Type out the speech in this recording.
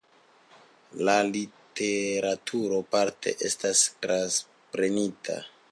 La literaturo parte estas transprenita.